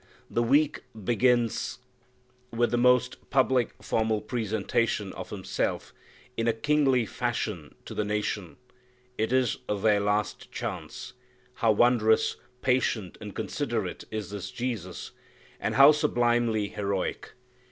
The week begins with the most public, formal presentation of Himself in a kingly fashion to the nation. It is their last chance. How wondrously patient and considerate is this Jesus! And how sublimely heroic!